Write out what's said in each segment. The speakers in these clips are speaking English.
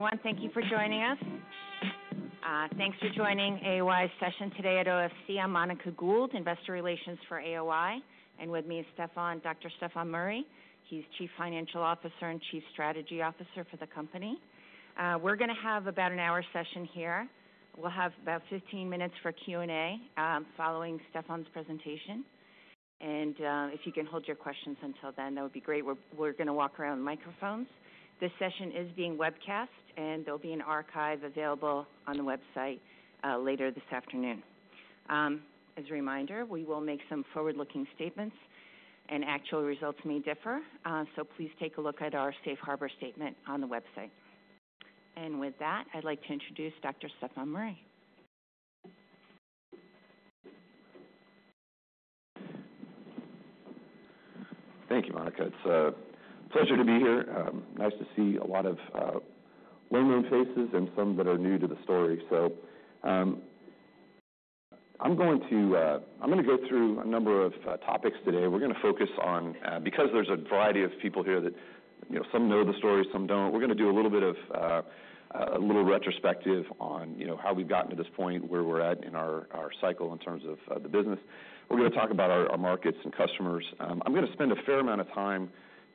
Everyone, thank you for joining us. Thanks for joining AOI's session today at OFC. I'm Monica Gould, Investor Relations for AOI, and with me is Dr. Stefan Murry. He's Chief Financial Officer and Chief Strategy Officer for the company. We're gonna have about an hour session here. We'll have about 15 minutes for Q&A, following Stefan's presentation. If you can hold your questions until then, that would be great. We're gonna walk around the microphones. This session is being webcast, and there'll be an archive available on the website later this afternoon. As a reminder, we will make some forward-looking statements, and actual results may differ. Please take a look at our Safe Harbor statement on the website. With that, I'd like to introduce Dr. Stefan Murry. Thank you, Monica. It's a pleasure to be here. Nice to see a lot of well-known faces and some that are new to the story. I'm going to go through a number of topics today. We're gonna focus on, because there's a variety of people here that, you know, some know the story, some don't. We're gonna do a little bit of a little retrospective on, you know, how we've gotten to this point where we're at in our cycle in terms of the business. We're gonna talk about our markets and customers. I'm gonna spend a fair amount of time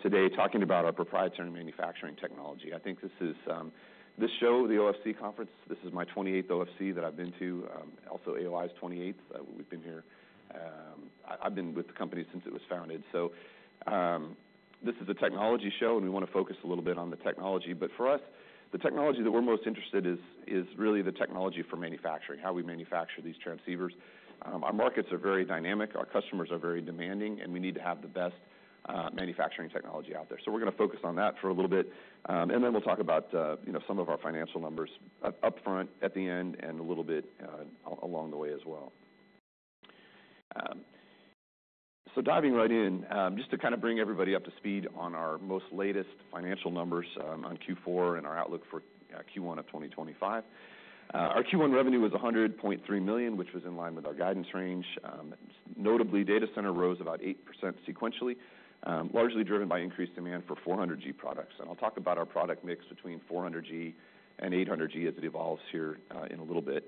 today talking about our proprietary manufacturing technology. I think this is, this show, the OFC Conference, this is my 28th OFC that I've been to, also AOI's 28th. We've been here, I've been with the company since it was founded. This is a technology show, and we wanna focus a little bit on the technology. For us, the technology that we're most interested in is really the technology for manufacturing, how we manufacture these transceivers. Our markets are very dynamic. Our customers are very demanding, and we need to have the best manufacturing technology out there. We're gonna focus on that for a little bit, and then we'll talk about, you know, some of our financial numbers upfront at the end and a little bit along the way as well. Diving right in, just to kinda bring everybody up to speed on our most latest financial numbers, on Q4 and our outlook for Q1 of 2025. Our Q1 revenue was $100.3 million, which was in line with our guidance range. Notably, data center rose about 8% sequentially, largely driven by increased demand for 400G products. I'll talk about our product mix between 400G and 800G as it evolves here in a little bit.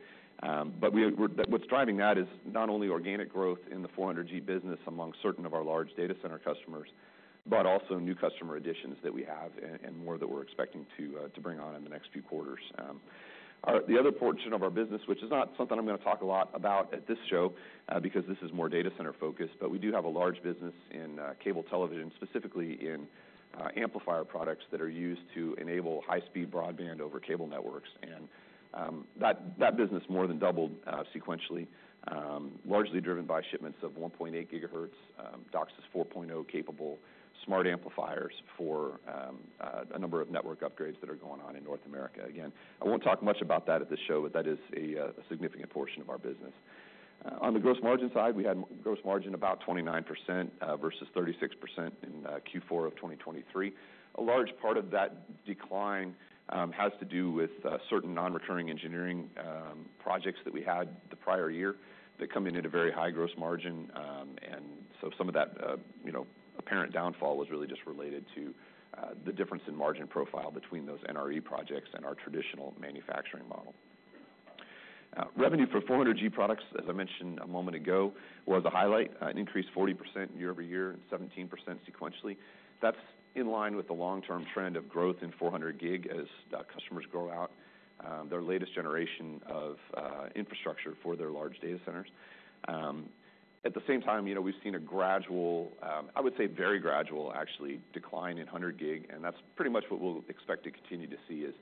What's driving that is not only organic growth in the 400G business among certain of our large data center customers, but also new customer additions that we have and more that we're expecting to bring on in the next few quarters. The other portion of our business, which is not something. I'm gonna talk a lot about at this show because this is more data center focused, is that we do have a large business in cable television, specifically in amplifier products that are used to enable high-speed broadband over cable networks. That business more than doubled sequentially, largely driven by shipments of 1.8 GHz DOCSIS 4.0 capable smart amplifiers for a number of network upgrades that are going on in North America. Again, I won't talk much about that at this show, but that is a significant portion of our business. On the gross margin side, we had gross margin about 29%, versus 36% in Q4 of 2023. A large part of that decline has to do with certain non-recurring engineering projects that we had the prior year that come in at a very high gross margin. Some of that, you know, apparent downfall was really just related to the difference in margin profile between those NRE projects and our traditional manufacturing model. Revenue for 400G products, as I mentioned a moment ago, was a highlight, an increase of 40% year over year, 17% sequentially. That's in line with the long-term trend of growth in 400G as customers grow out their latest generation of infrastructure for their large data centers. At the same time, you know, we've seen a gradual, I would say very gradual actually, decline in 100G, and that's pretty much what we'll expect to continue to see is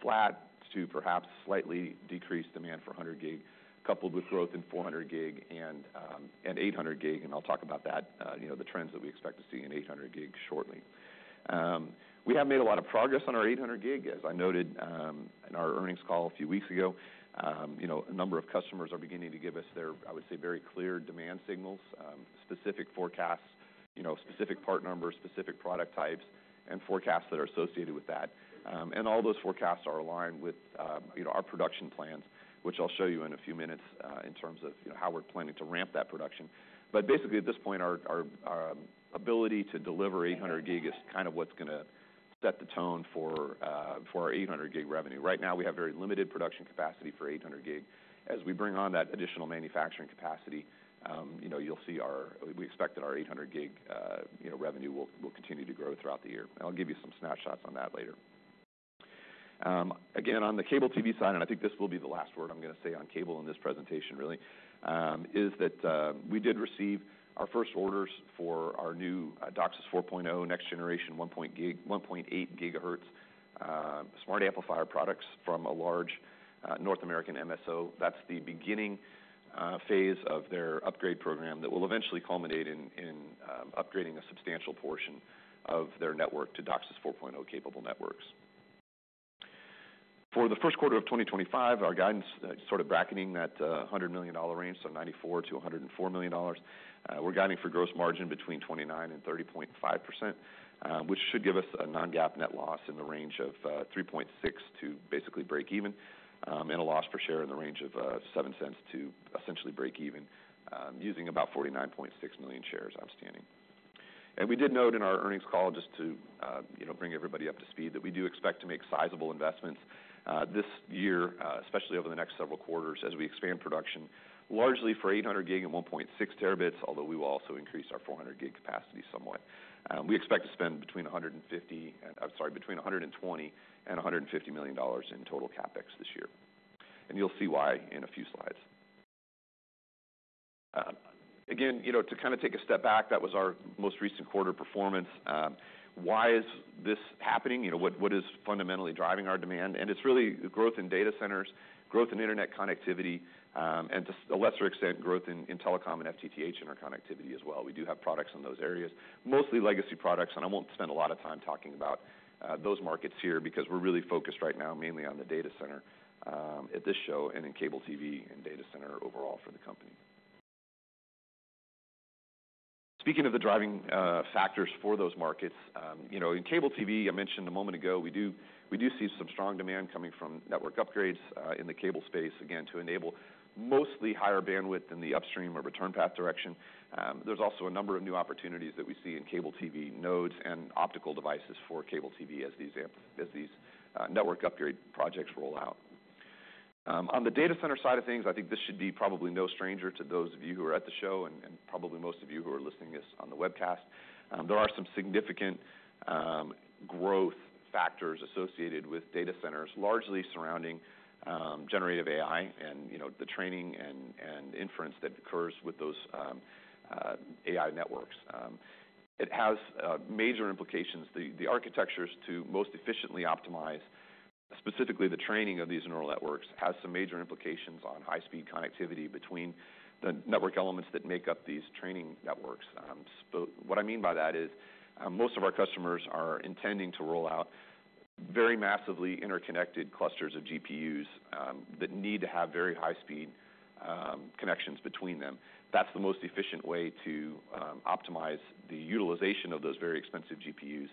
flat to perhaps slightly decreased demand for 100G, coupled with growth in 400G and 800G. I will talk about that, you know, the trends that we expect to see in 800G shortly. We have made a lot of progress on our 800G, as I noted in our earnings call a few weeks ago. You know, a number of customers are beginning to give us their, I would say, very clear demand signals, specific forecasts, you know, specific part numbers, specific product types, and forecasts that are associated with that. All those forecasts are aligned with, you know, our production plans, which I'll show you in a few minutes, in terms of, you know, how we're planning to ramp that production. Basically, at this point, our ability to deliver 800G is kind of what's gonna set the tone for our 800G revenue. Right now, we have very limited production capacity for 800G. As we bring on that additional manufacturing capacity, you know, we expect that our 800G revenue will continue to grow throughout the year. I'll give you some snapshots on that later. Again, on the cable TV side, and I think this will be the last word I'm gonna say on cable in this presentation, really, is that we did receive our first orders for our new DOCSIS 4.0 next generation 1.8 GHz smart amplifier products from a large North American MSO. That's the beginning phase of their upgrade program that will eventually culminate in upgrading a substantial portion of their network to DOCSIS 4.0 capable networks. For the first quarter of 2025, our guidance, sort of bracketing that $100 million range, so $94 to 104 million, we're guiding for gross margin between 29%-30.5%, which should give us a non-GAAP net loss in the range of $3.6 million to basically break even, and a loss per share in the range of $0.07 to essentially break even, using about 49.6 million shares outstanding. We did note in our earnings call, just to, you know, bring everybody up to speed, that we do expect to make sizable investments this year, especially over the next several quarters as we expand production, largely for 800G and 1.6T, although we will also increase our 400G capacity somewhat. We expect to spend between $120 million and $150 million in total CapEx this year. You will see why in a few slides. Again, you know, to kinda take a step back, that was our most recent quarter performance. Why is this happening? You know, what is fundamentally driving our demand? It is really growth in data centers, growth in internet connectivity, and to a lesser extent, growth in telecom and FTTH interconnectivity as well. We do have products in those areas, mostly legacy products. I won't spend a lot of time talking about those markets here because we're really focused right now mainly on the data center at this show and in cable TV and data center overall for the company. Speaking of the driving factors for those markets, you know, in cable TV, I mentioned a moment ago, we do see some strong demand coming from network upgrades in the cable space, again, to enable mostly higher bandwidth in the upstream or return path direction. There's also a number of new opportunities that we see in cable TV nodes and optical devices for cable TV as these network upgrade projects roll out. On the data center side of things, I think this should be probably no stranger to those of you who are at the show and probably most of you who are listening to this on the webcast. There are some significant growth factors associated with data centers, largely surrounding generative AI and, you know, the training and inference that occurs with those AI networks. It has major implications. The architectures to most efficiently optimize, specifically the training of these neural networks, has some major implications on high-speed connectivity between the network elements that make up these training networks. What I mean by that is, most of our customers are intending to roll out very massively interconnected clusters of GPUs that need to have very high-speed connections between them. That's the most efficient way to optimize the utilization of those very expensive GPUs.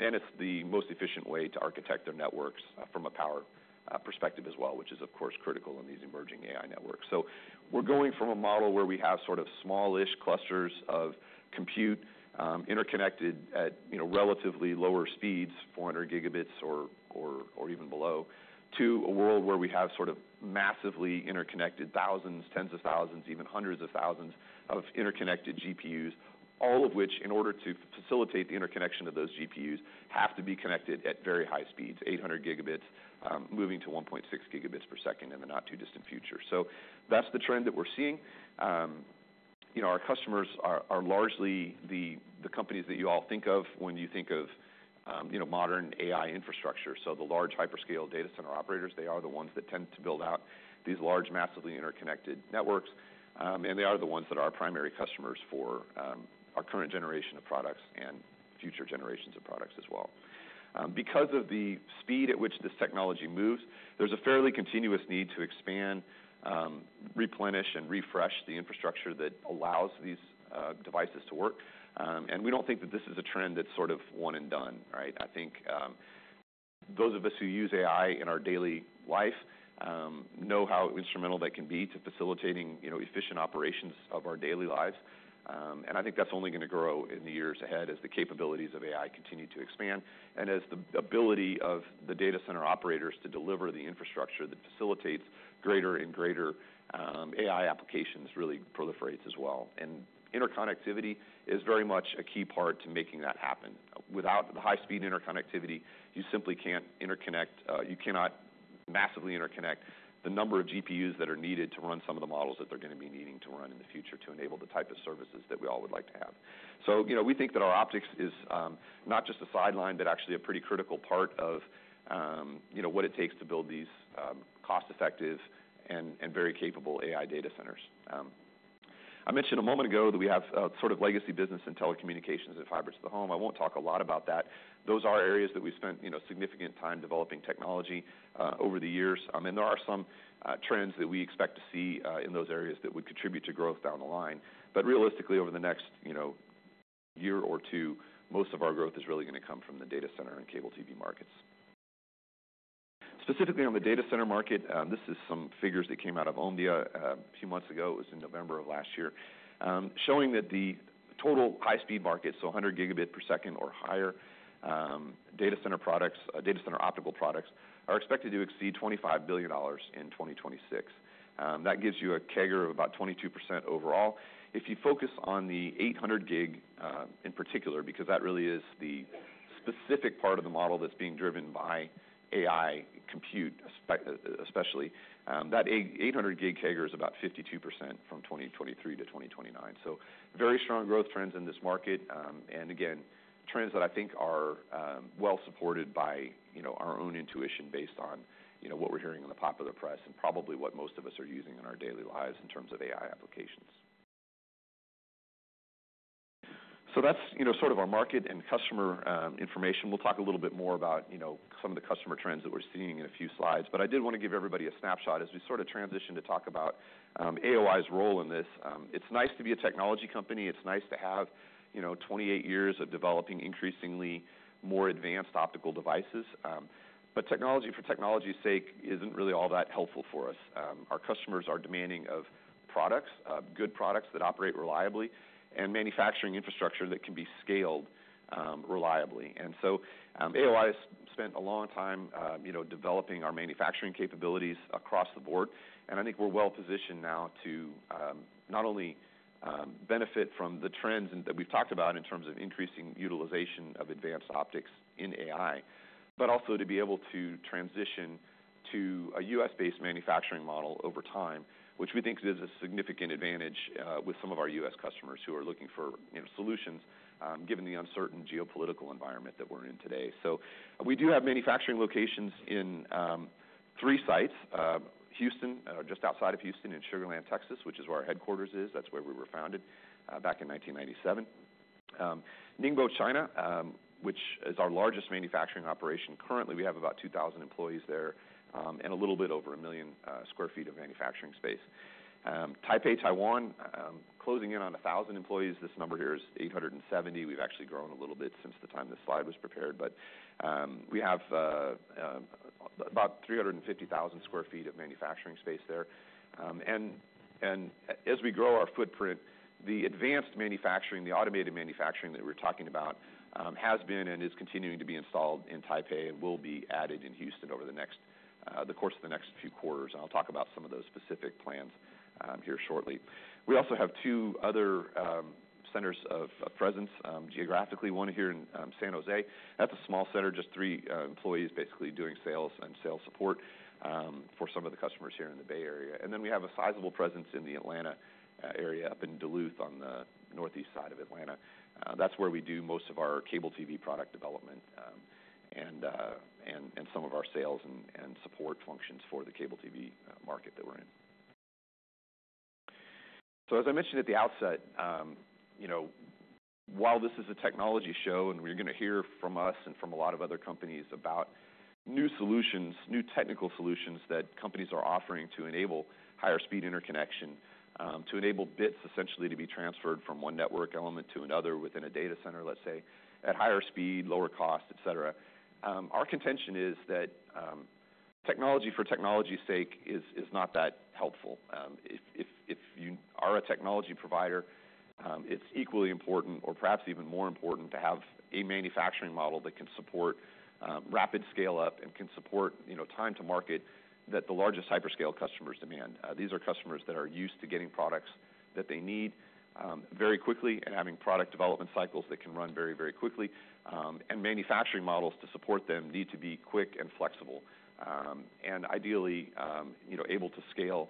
and it's the most efficient way to architect their networks from a power perspective as well, which is, of course, critical in these emerging AI networks. We're going from a model where we have sort of smallish clusters of compute, interconnected at, you know, relatively lower speeds, 400 gigabits or, or even below, to a world where we have sort of massively interconnected thousands, tens of thousands, even hundreds of thousands of interconnected GPUs, all of which, in order to facilitate the interconnection of those GPUs, have to be connected at very high speeds, 800 gigabits, moving to 1.6 terabits per second in the not-too-distant future. That's the trend that we're seeing. You know, our customers are, are largely the companies that you all think of when you think of, you know, modern AI infrastructure. The large hyperscale data center operators, they are the ones that tend to build out these large, massively interconnected networks. They are the ones that are our primary customers for our current generation of products and future generations of products as well. Because of the speed at which this technology moves, there is a fairly continuous need to expand, replenish, and refresh the infrastructure that allows these devices to work. We do not think that this is a trend that is sort of one and done, right? I think those of us who use AI in our daily life know how instrumental that can be to facilitating, you know, efficient operations of our daily lives. I think that's only gonna grow in the years ahead as the capabilities of AI continue to expand and as the ability of the data center operators to deliver the infrastructure that facilitates greater and greater AI applications really proliferates as well. Interconnectivity is very much a key part to making that happen. Without the high-speed interconnectivity, you simply can't interconnect, you cannot massively interconnect the number of GPUs that are needed to run some of the models that they're gonna be needing to run in the future to enable the type of services that we all would like to have. You know, we think that our optics is not just a sideline, but actually a pretty critical part of, you know, what it takes to build these cost-effective and very capable AI data centers. I mentioned a moment ago that we have, sort of legacy business in telecommunications and fiber to the home. I won't talk a lot about that. Those are areas that we've spent, you know, significant time developing technology, over the years. There are some, trends that we expect to see, in those areas that would contribute to growth down the line. Realistically, over the next, you know, year or two, most of our growth is really gonna come from the data center and cable TV markets. Specifically on the data center market, this is some figures that came out of Omdia, a few months ago. It was in November of last year, showing that the total high-speed market, so 100 gigabit per second or higher, data center products, data center optical products are expected to exceed $25 billion in 2026. That gives you a CAGR of about 22% overall. If you focus on the 800G, in particular, because that really is the specific part of the model that's being driven by AI compute, especially, that 800G CAGR is about 52% from 2023 to 2029. Very strong growth trends in this market. Again, trends that I think are well-supported by, you know, our own intuition based on, you know, what we're hearing in the popular press and probably what most of us are using in our daily lives in terms of AI applications. That's, you know, sort of our market and customer information. We'll talk a little bit more about, you know, some of the customer trends that we're seeing in a few slides. I did want to give everybody a snapshot as we sort of transition to talk about AOI's role in this. It's nice to be a technology company. It's nice to have, you know, 28 years of developing increasingly more advanced optical devices. Technology for technology's sake isn't really all that helpful for us. Our customers are demanding of products, good products that operate reliably and manufacturing infrastructure that can be scaled, reliably. AOI has spent a long time, you know, developing our manufacturing capabilities across the board. I think we're well-positioned now to, not only, benefit from the trends that we've talked about in terms of increasing utilization of advanced optics in AI, but also to be able to transition to a US-based manufacturing model over time, which we think is a significant advantage, with some of our US customers who are looking for, you know, solutions, given the uncertain geopolitical environment that we're in today. We do have manufacturing locations in three sites: Houston, just outside of Houston in Sugar Land, Texas, which is where our headquarters is. That is where we were founded, back in 1997. Ningbo, China, which is our largest manufacturing operation currently. We have about 2,000 employees there, and a little bit over 1 million sq ft of manufacturing space. Taipei, Taiwan, closing in on 1,000 employees. This number here is 870. We have actually grown a little bit since the time this slide was prepared. We have about 350,000 sq ft of manufacturing space there. As we grow our footprint, the advanced manufacturing, the automated manufacturing that we are talking about, has been and is continuing to be installed in Taipei and will be added in Houston over the course of the next few quarters. I will talk about some of those specific plans here shortly. We also have two other centers of presence geographically, one here in San Jose. That's a small center, just three employees basically doing sales and sales support for some of the customers here in the Bay Area. We have a sizable presence in the Atlanta area up in Duluth on the northeast side of Atlanta. That's where we do most of our cable TV product development, and some of our sales and support functions for the cable TV market that we're in. As I mentioned at the outset, you know, while this is a technology show and you're gonna hear from us and from a lot of other companies about new solutions, new technical solutions that companies are offering to enable higher-speed interconnection, to enable bits essentially to be transferred from one network element to another within a data center, let's say, at higher speed, lower cost, et cetera. Our contention is that technology for technology's sake is not that helpful. If you are a technology provider, it's equally important or perhaps even more important to have a manufacturing model that can support rapid scale-up and can support, you know, time to market that the largest hyperscale customers demand. These are customers that are used to getting products that they need very quickly and having product development cycles that can run very, very quickly. and manufacturing models to support them need to be quick and flexible, and ideally, you know, able to scale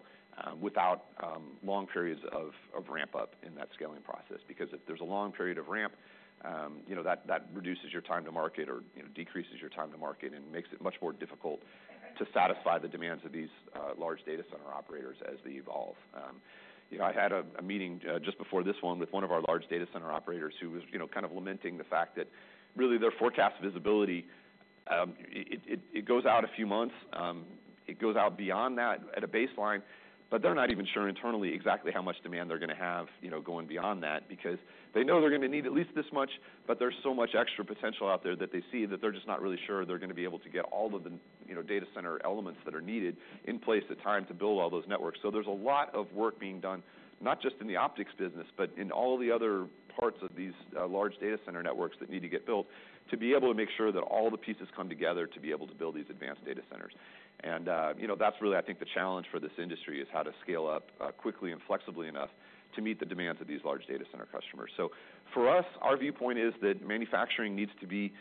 without long periods of ramp-up in that scaling process. Because if there's a long period of ramp, you know, that reduces your time to market or, you know, decreases your time to market and makes it much more difficult to satisfy the demands of these large data center operators as they evolve. you know, I had a meeting just before this one with one of our large data center operators who was, you know, kind of lamenting the fact that really their forecast visibility, it goes out a few months. It goes out beyond that at a baseline, but they're not even sure internally exactly how much demand they're gonna have, you know, going beyond that because they know they're gonna need at least this much, but there's so much extra potential out there that they see that they're just not really sure they're gonna be able to get all of the, you know, data center elements that are needed in place at time to build all those networks. There is a lot of work being done, not just in the optics business, but in all the other parts of these large data center networks that need to get built to be able to make sure that all the pieces come together to be able to build these advanced data centers. You know, that's really, I think, the challenge for this industry is how to scale up, quickly and flexibly enough to meet the demands of these large data center customers. For us, our viewpoint is that manufacturing needs to be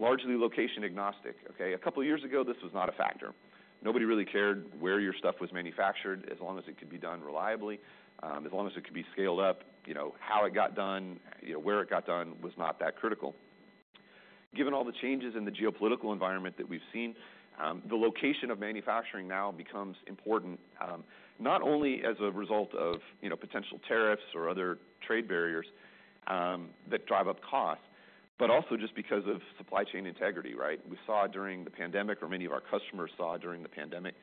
largely location agnostic, okay? A couple of years ago, this was not a factor. Nobody really cared where your stuff was manufactured as long as it could be done reliably, as long as it could be scaled up. You know, how it got done, you know, where it got done was not that critical. Given all the changes in the geopolitical environment that we've seen, the location of manufacturing now becomes important, not only as a result of, you know, potential tariffs or other trade barriers that drive up costs, but also just because of supply chain integrity, right? We saw during the pandemic, or many of our customers saw during the pandemic,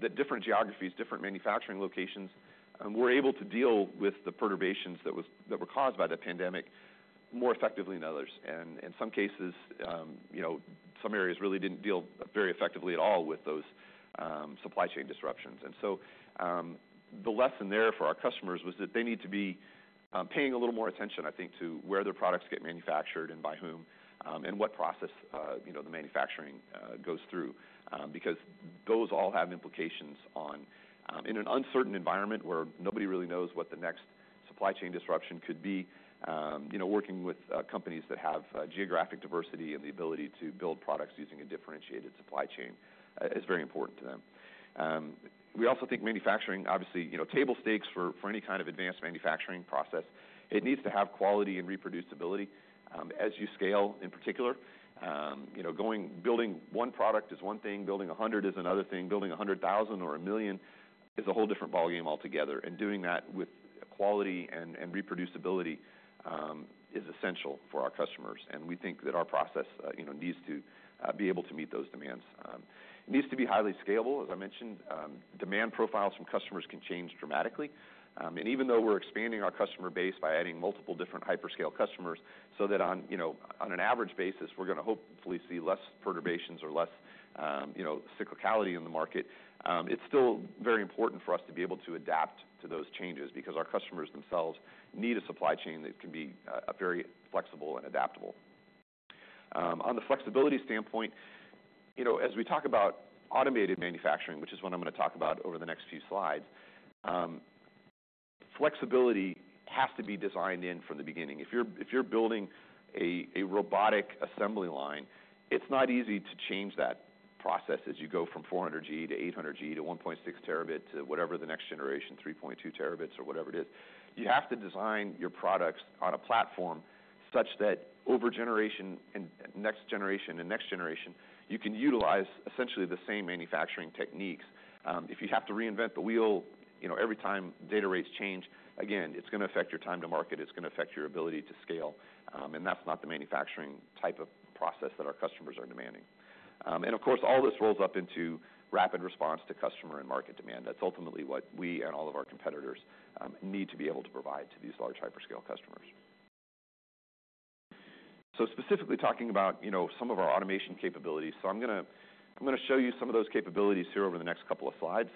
that different geographies, different manufacturing locations, were able to deal with the perturbations that were caused by the pandemic more effectively than others. In some cases, you know, some areas really did not deal very effectively at all with those supply chain disruptions. The lesson there for our customers was that they need to be paying a little more attention, I think, to where their products get manufactured and by whom, and what process, you know, the manufacturing goes through, because those all have implications in an uncertain environment where nobody really knows what the next supply chain disruption could be. You know, working with companies that have geographic diversity and the ability to build products using a differentiated supply chain is very important to them. We also think manufacturing, obviously, you know, table stakes for any kind of advanced manufacturing process, it needs to have quality and reproducibility. As you scale in particular, you know, building one product is one thing, building 100 is another thing. Building 100,000 or a million is a whole different ballgame altogether. Doing that with quality and reproducibility is essential for our customers. We think that our process, you know, needs to be able to meet those demands. It needs to be highly scalable, as I mentioned. Demand profiles from customers can change dramatically. and even though we're expanding our customer base by adding multiple different hyperscale customers so that on, you know, on an average basis, we're gonna hopefully see less perturbations or less, you know, cyclicality in the market, it's still very important for us to be able to adapt to those changes because our customers themselves need a supply chain that can be, very flexible and adaptable. On the flexibility standpoint, you know, as we talk about automated manufacturing, which is what I'm gonna talk about over the next few slides, flexibility has to be designed in from the beginning. If you're, if you're building a, a robotic assembly line, it's not easy to change that process as you go from 400G to 800G to 1.6T to whatever the next generation, 3.2T or whatever it is. You have to design your products on a platform such that over generation and next generation and next generation, you can utilize essentially the same manufacturing techniques. If you have to reinvent the wheel, you know, every time data rates change, again, it's gonna affect your time to market. It's gonna affect your ability to scale. And that's not the manufacturing type of process that our customers are demanding. And of course, all this rolls up into rapid response to customer and market demand. That's ultimately what we and all of our competitors, need to be able to provide to these large hyperscale customers. Specifically talking about, you know, some of our automation capabilities, I'm gonna, I'm gonna show you some of those capabilities here over the next couple of slides.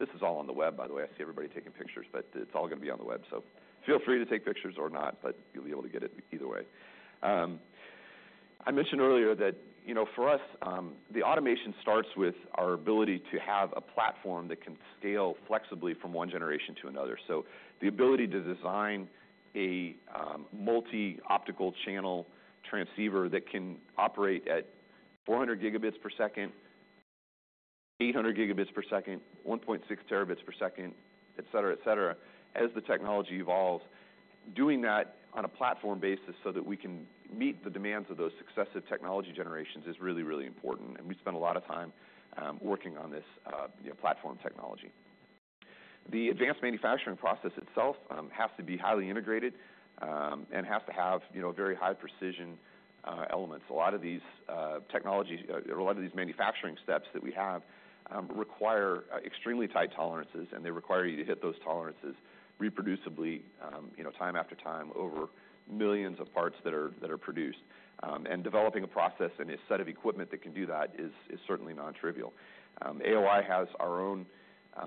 This is all on the web, by the way. I see everybody taking pictures, but it's all gonna be on the web. Feel free to take pictures or not, but you'll be able to get it either way. I mentioned earlier that, you know, for us, the automation starts with our ability to have a platform that can scale flexibly from one generation to another. The ability to design a multi-optical channel transceiver that can operate at 400 gigabits per second, 800 gigabits per second, 1.6 terabits per second, et cetera, et cetera, as the technology evolves. Doing that on a platform basis so that we can meet the demands of those successive technology generations is really, really important. We spend a lot of time working on this, you know, platform technology. The advanced manufacturing process itself has to be highly integrated, and has to have, you know, very high precision elements. A lot of these technologies, a lot of these manufacturing steps that we have, require extremely tight tolerances, and they require you to hit those tolerances reproducibly, you know, time after time over millions of parts that are produced. Developing a process and a set of equipment that can do that is certainly non-trivial. AOI has our own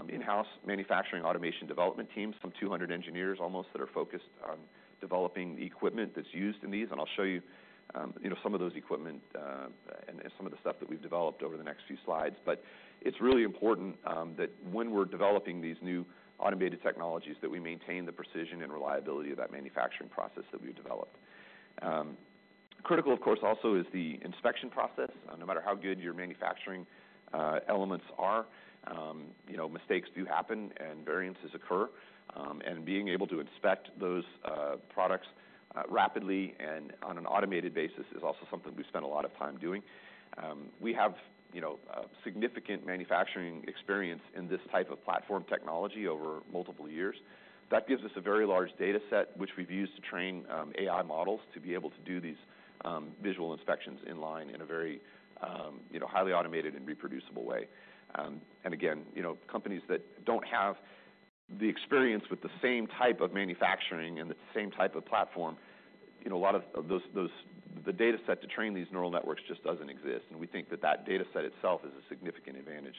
in-house manufacturing automation development team, some 200 engineers almost that are focused on developing the equipment that's used in these. I'll show you, you know, some of those equipment, and some of the stuff that we've developed over the next few slides. It's really important that when we're developing these new automated technologies that we maintain the precision and reliability of that manufacturing process that we've developed. Critical, of course, also is the inspection process. No matter how good your manufacturing elements are, you know, mistakes do happen and variances occur. Being able to inspect those products rapidly and on an automated basis is also something we spend a lot of time doing. We have, you know, significant manufacturing experience in this type of platform technology over multiple years. That gives us a very large data set, which we've used to train AI models to be able to do these visual inspections in line in a very, you know, highly automated and reproducible way. You know, companies that do not have the experience with the same type of manufacturing and the same type of platform, you know, a lot of those, the data set to train these neural networks just does not exist. We think that that data set itself is a significant advantage,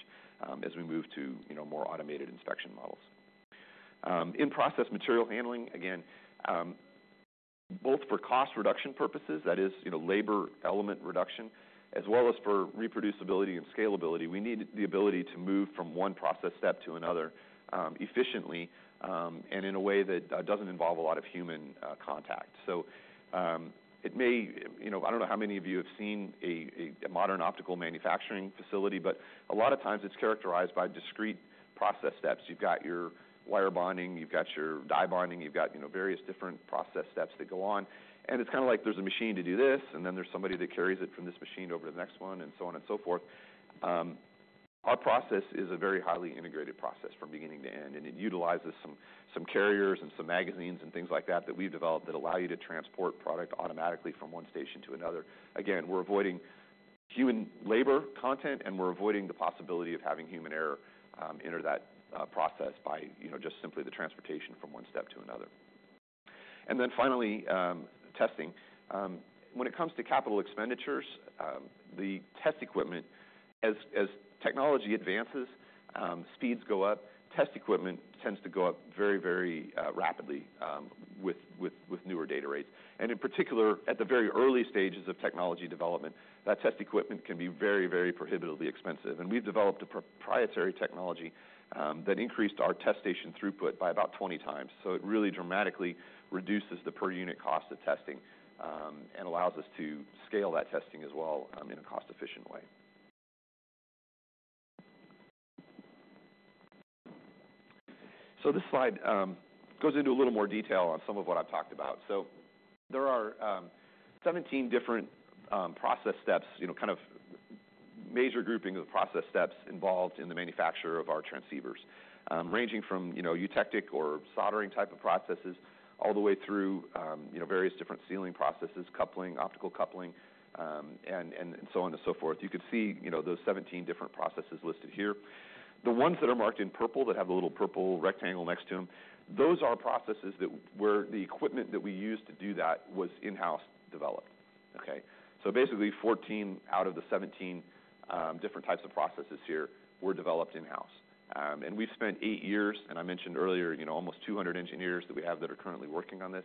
as we move to, you know, more automated inspection models. In process material handling, again, both for cost reduction purposes, that is, you know, labor element reduction, as well as for reproducibility and scalability, we need the ability to move from one process step to another efficiently, and in a way that does not involve a lot of human contact. It may, you know, I do not know how many of you have seen a modern optical manufacturing facility, but a lot of times it is characterized by discrete process steps. You have got your wire bonding, you have got your die bonding, you have got, you know, various different process steps that go on. is kind of like there is a machine to do this, and then there is somebody that carries it from this machine over to the next one and so on and so forth. Our process is a very highly integrated process from beginning to end, and it utilizes some carriers and some magazines and things like that that we have developed that allow you to transport product automatically from one station to another. Again, we are avoiding human labor content, and we are avoiding the possibility of having human error enter that process by, you know, just simply the transportation from one step to another. Finally, testing. When it comes to capital expenditures, the test equipment, as technology advances, speeds go up. Test equipment tends to go up very, very rapidly, with newer data rates. In particular, at the very early stages of technology development, that test equipment can be very, very prohibitively expensive. We have developed a proprietary technology that increased our test station throughput by about 20 times. It really dramatically reduces the per unit cost of testing and allows us to scale that testing as well, in a cost-efficient way. This slide goes into a little more detail on some of what I have talked about. There are 17 different process steps, you know, kind of major grouping of process steps involved in the manufacture of our transceivers, ranging from, you know, eutectic or soldering type of processes all the way through various different sealing processes, coupling, optical coupling, and so on and so forth. You could see those 17 different processes listed here. The ones that are marked in purple, that have the little purple rectangle next to them, those are processes that were the equipment that we used to do that was in-house developed, okay? Basically, 14 out of the 17 different types of processes here were developed in-house. We've spent eight years, and I mentioned earlier, you know, almost 200 engineers that we have that are currently working on this.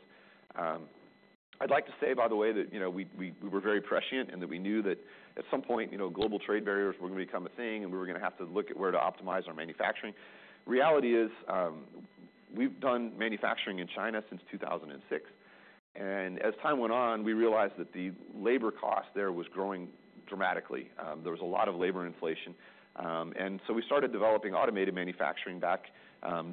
I'd like to say, by the way, that, you know, we were very prescient and that we knew that at some point, you know, global trade barriers were gonna become a thing and we were gonna have to look at where to optimize our manufacturing. Reality is, we've done manufacturing in China since 2006. As time went on, we realized that the labor cost there was growing dramatically. There was a lot of labor inflation. and so we started developing automated manufacturing back,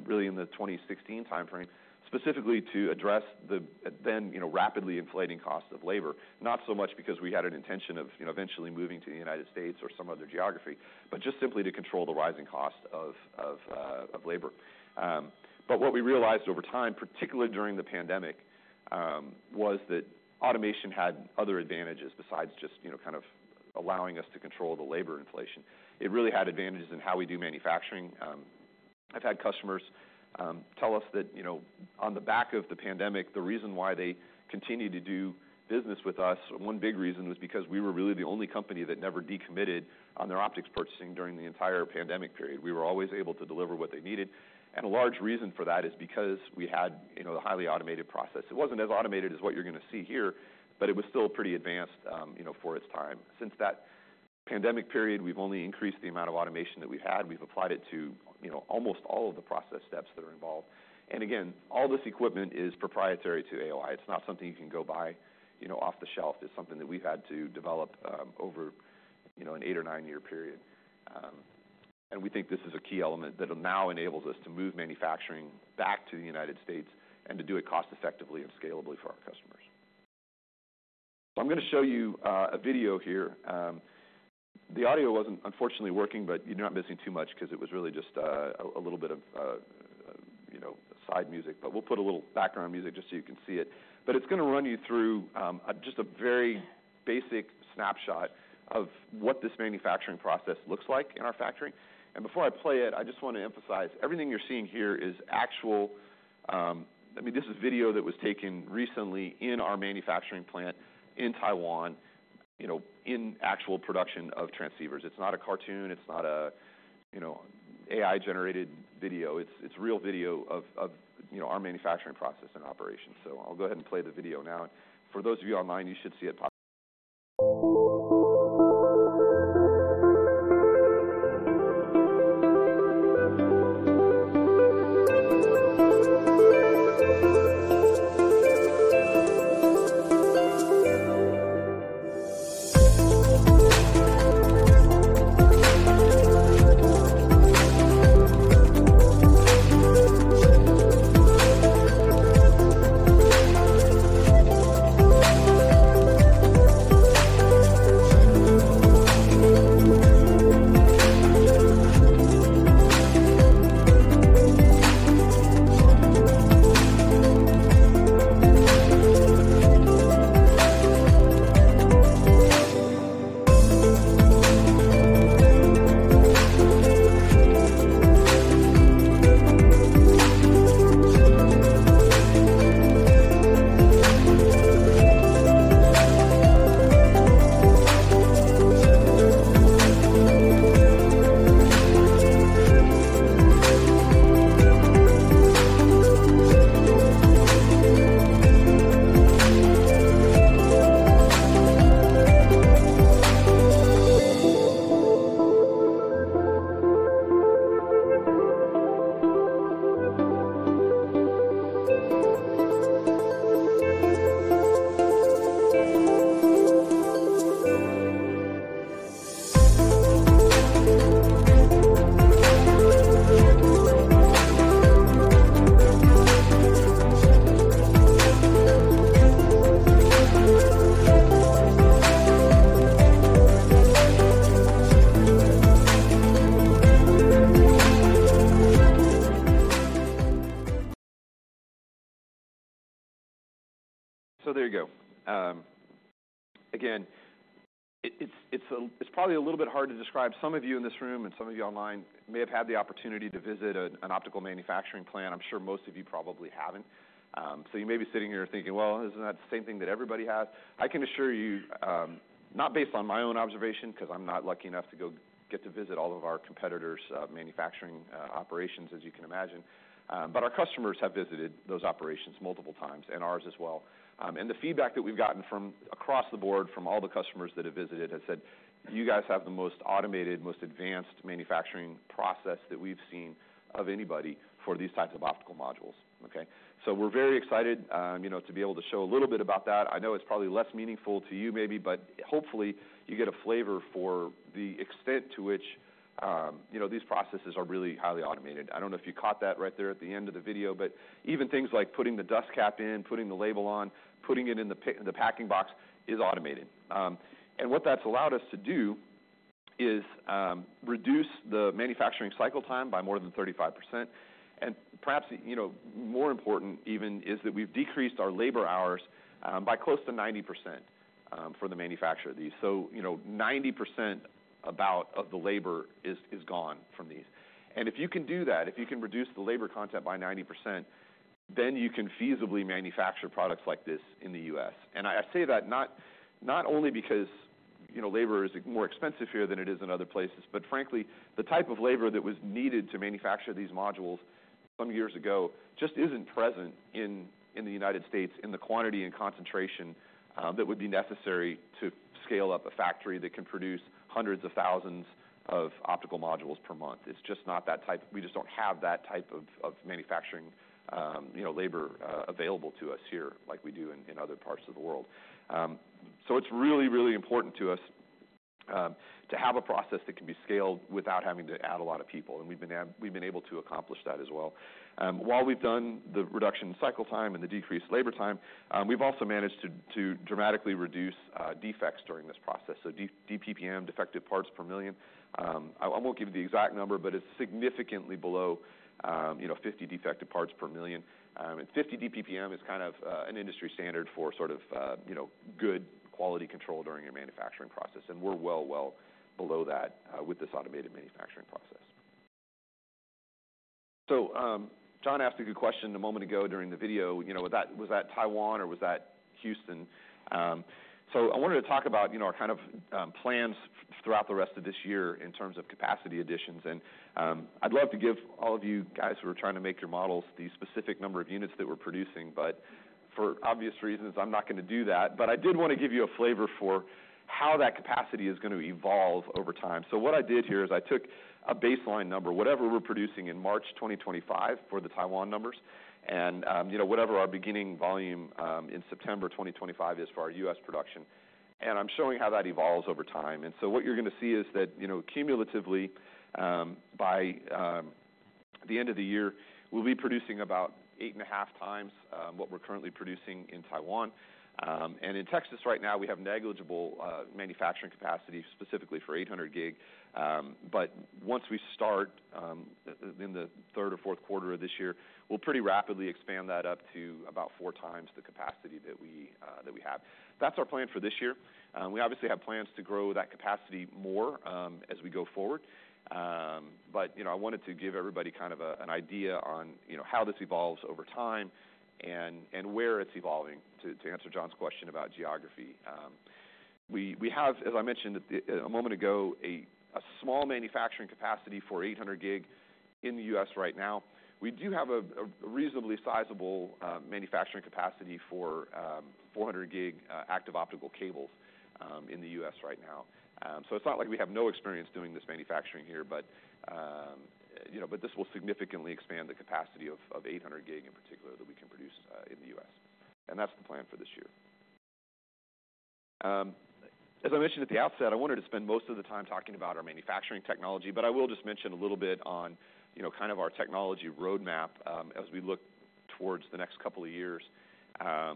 really in the 2016 timeframe, specifically to address the then, you know, rapidly inflating cost of labor, not so much because we had an intention of, you know, eventually moving to the United States or some other geography, but just simply to control the rising cost of labor. what we realized over time, particularly during the pandemic, was that automation had other advantages besides just, you know, kind of allowing us to control the labor inflation. It really had advantages in how we do manufacturing. I've had customers tell us that, you know, on the back of the pandemic, the reason why they continued to do business with us, one big reason was because we were really the only company that never decommitted on their optics purchasing during the entire pandemic period. We were always able to deliver what they needed. A large reason for that is because we had, you know, the highly automated process. It was not as automated as what you are gonna see here, but it was still pretty advanced, you know, for its time. Since that pandemic period, we have only increased the amount of automation that we have had. We have applied it to, you know, almost all of the process steps that are involved. Again, all this equipment is proprietary to AOI. It is not something you can go buy, you know, off the shelf. It is something that we have had to develop over, you know, an eight or nine-year period. We think this is a key element that now enables us to move manufacturing back to the United States and to do it cost-effectively and scalably for our customers. I am gonna show you a video here. The audio was not unfortunately working, but you are not missing too much because it was really just a little bit of, you know, side music. We will put a little background music just so you can see it. It is going to run you through just a very basic snapshot of what this manufacturing process looks like in our factory. Before I play it, I just want to emphasize everything you are seeing here is actual, I mean, this is video that was taken recently in our manufacturing plant in Taiwan, you know, in actual production of transceivers. It is not a cartoon. It is not a, you know, AI-generated video. It is real video of, you know, our manufacturing process and operation. I will go ahead and play the video now. For those of you online, you should see it pop. There you go. Again, it's probably a little bit hard to describe. Some of you in this room and some of you online may have had the opportunity to visit an optical manufacturing plant. I'm sure most of you probably haven't. You may be sitting here thinking, "Well, isn't that the same thing that everybody has?" I can assure you, not based on my own observation, 'cause I'm not lucky enough to get to visit all of our competitors' manufacturing operations, as you can imagine. Our customers have visited those operations multiple times and ours as well. The feedback that we've gotten from across the board from all the customers that have visited has said, "You guys have the most automated, most advanced manufacturing process that we've seen of anybody for these types of optical modules." Okay? We're very excited, you know, to be able to show a little bit about that. I know it's probably less meaningful to you maybe, but hopefully you get a flavor for the extent to which, you know, these processes are really highly automated. I don't know if you caught that right there at the end of the video, but even things like putting the dust cap in, putting the label on, putting it in the pick, the packing box is automated. What that's allowed us to do is, reduce the manufacturing cycle time by more than 35%. And perhaps, you know, more important even is that we've decreased our labor hours, by close to 90%, for the manufacture of these. You know, 90% about of the labor is, is gone from these. If you can do that, if you can reduce the labor content by 90%, then you can feasibly manufacture products like this in the U.S. I say that not only because, you know, labor is more expensive here than it is in other places, but frankly, the type of labor that was needed to manufacture these modules some years ago just is not present in the United States in the quantity and concentration that would be necessary to scale up a factory that can produce hundreds of thousands of optical modules per month. It is just not that type. We just do not have that type of, you know, manufacturing labor available to us here like we do in other parts of the world. It is really, really important to us to have a process that can be scaled without having to add a lot of people. And we have been able to accomplish that as well. While we have done the reduction cycle time and the decreased labor time, we have also managed to dramatically reduce defects during this process. DPPM, defective parts per million. I will not give you the exact number, but it is significantly below, you know, 50 defective parts per million. Fifty DPPM is kind of an industry standard for sort of, you know, good quality control during your manufacturing process. We are well, well below that with this automated manufacturing process. John asked a good question a moment ago during the video. You know, was that Taiwan or was that Houston? I wanted to talk about, you know, our kind of plans throughout the rest of this year in terms of capacity additions. I'd love to give all of you guys who are trying to make your models the specific number of units that we're producing. For obvious reasons, I'm not gonna do that. I did want to give you a flavor for how that capacity is gonna evolve over time. What I did here is I took a baseline number, whatever we're producing in March 2025 for the Taiwan numbers, and, you know, whatever our beginning volume in September 2025 is for our US production. I'm showing how that evolves over time. What you're gonna see is that, you know, cumulatively, by the end of the year, we'll be producing about eight and a half times what we're currently producing in Taiwan. In Texas right now, we have negligible manufacturing capacity specifically for 800G. Once we start in the third or fourth quarter of this year, we'll pretty rapidly expand that up to about four times the capacity that we have. That's our plan for this year. We obviously have plans to grow that capacity more as we go forward. I wanted to give everybody kind of an idea on how this evolves over time and where it's evolving to, to answer John's question about geography. We have, as I mentioned a moment ago, a small manufacturing capacity for 800G in the U.S. right now. We do have a reasonably sizable manufacturing capacity for 400G active optical cables in the U.S. right now. It is not like we have no experience doing this manufacturing here, but this will significantly expand the capacity of 800G in particular that we can produce in the U.S. That is the plan for this year. As I mentioned at the outset, I wanted to spend most of the time talking about our manufacturing technology, but I will just mention a little bit on our technology roadmap as we look towards the next couple of years. I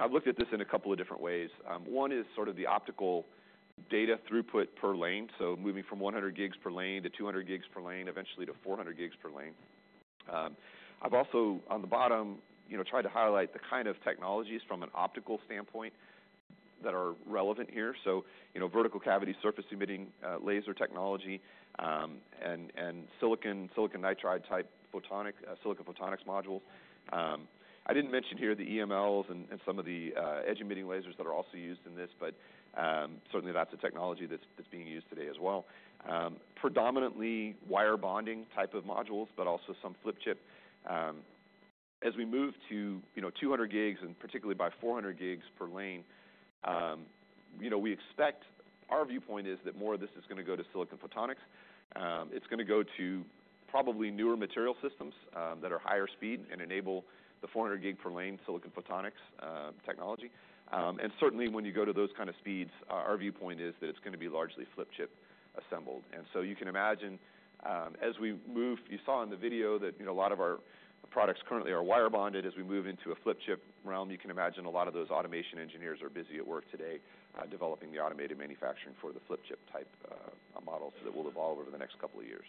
have looked at this in a couple of different ways. One is sort of the optical data throughput per lane, so moving from 100G per lane to 200G per lane, eventually to 400G per lane. I have also, on the bottom, tried to highlight the kind of technologies from an optical standpoint that are relevant here. You know, vertical cavity surface emitting laser technology, and silicon nitride type photonic, silicon photonics modules. I did not mention here the EMLs and some of the edge emitting lasers that are also used in this, but certainly that's a technology that's being used today as well. Predominantly wire bonding type of modules, but also some flip chip. As we move to, you know, 200 gigs and particularly by 400 gigs per lane, we expect our viewpoint is that more of this is gonna go to silicon photonics. It's gonna go to probably newer material systems that are higher speed and enable the 400 gig per lane silicon photonics technology. Certainly when you go to those kind of speeds, our viewpoint is that it's gonna be largely flip chip assembled. You can imagine, as we move, you saw in the video that, you know, a lot of our products currently are wire bonded as we move into a flip chip realm. You can imagine a lot of those automation engineers are busy at work today, developing the automated manufacturing for the flip chip type, models that will evolve over the next couple of years.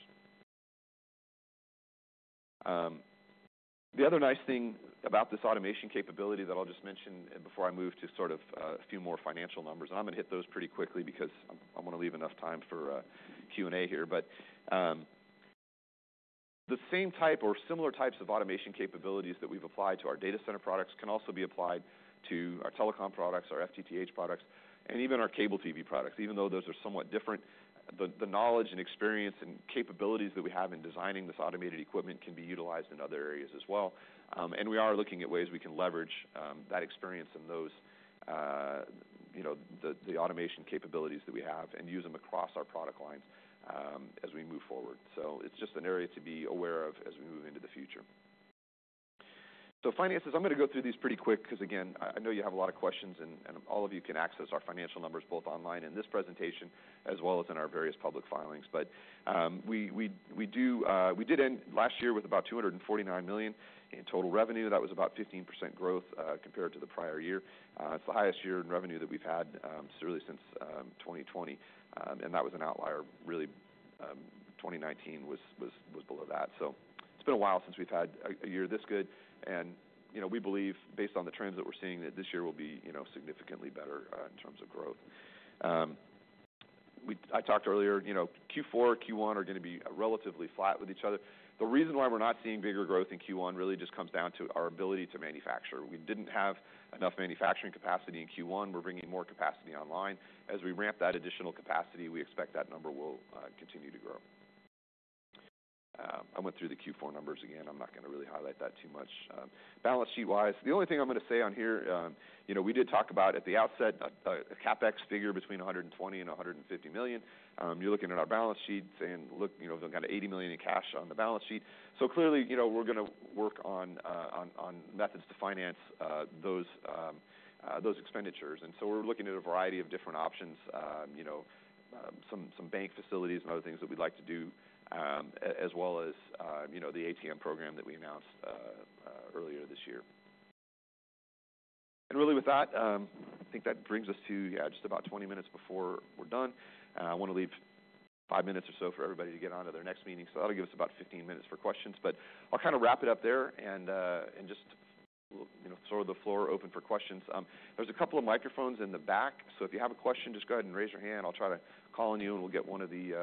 The other nice thing about this automation capability that I'll just mention before I move to sort of, a few more financial numbers. I'm gonna hit those pretty quickly because I wanna leave enough time for Q&A here. The same type or similar types of automation capabilities that we've applied to our data center products can also be applied to our telecom products, our FTTH products, and even our cable TV products. Even though those are somewhat different, the knowledge and experience and capabilities that we have in designing this automated equipment can be utilized in other areas as well. We are looking at ways we can leverage that experience and those, you know, the automation capabilities that we have and use them across our product lines as we move forward. It is just an area to be aware of as we move into the future. Finances, I'm gonna go through these pretty quick 'cause again, I know you have a lot of questions and all of you can access our financial numbers both online in this presentation as well as in our various public filings. We did end last year with about $249 million in total revenue. That was about 15% growth, compared to the prior year. It's the highest year in revenue that we've had, really since 2020. That was an outlier. Really, 2019 was below that. It's been a while since we've had a year this good. You know, we believe based on the trends that we're seeing that this year will be significantly better, in terms of growth. I talked earlier, you know, Q4, Q1 are gonna be relatively flat with each other. The reason why we're not seeing bigger growth in Q1 really just comes down to our ability to manufacture. We didn't have enough manufacturing capacity in Q1. We're bringing more capacity online. As we ramp that additional capacity, we expect that number will continue to grow. I went through the Q4 numbers again. I'm not gonna really highlight that too much. Balance sheet wise, the only thing I'm gonna say on here, you know, we did talk about at the outset, a CapEx figure between $120 million and $150 million. You're looking at our balance sheet saying, "Look, you know, we've got $80 million in cash on the balance sheet." Clearly, you know, we're gonna work on methods to finance those expenditures. We are looking at a variety of different options, you know, some bank facilities and other things that we'd like to do, as well as, you know, the ATM program that we announced earlier this year. Really with that, I think that brings us to just about 20 minutes before we're done. I want to leave five minutes or so for everybody to get onto their next meeting. That will give us about 15 minutes for questions. I'll kind of wrap it up there and just, you know, sort of the floor open for questions. There are a couple of microphones in the back. If you have a question, just go ahead and raise your hand. I'll try to call on you and we'll get one of the